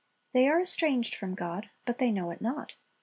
They are estranged from God, but they know it not.